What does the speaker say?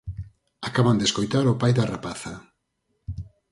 Acaban de escoitar o pai da rapaza.